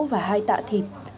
và hai tạ thịt